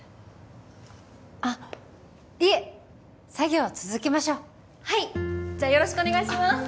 あっいえ作業を続けましょうはいじゃあよろしくお願いします